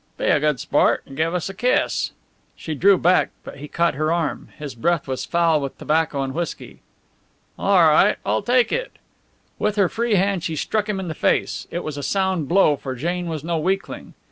"Be a good sport, an' give us a kiss!" She drew back, but he caught her arm. His breath was foul with tobacco and whisky. "All right, I'll take it!" With her free hand she struck him in the face. It was a sound blow, for Jane was no weakling.